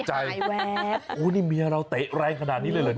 โอ้นี่เมียเราเตะแรงขนาดนี้เลยเหรอเนี่ย